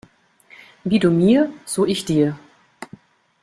Wie du mir, so ich dir.